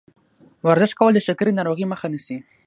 ورزش کول د شکرې ناروغۍ مخه نیسي.